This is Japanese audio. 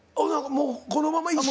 もうこのまま一生？